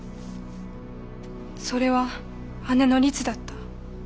それは姉のりつだった。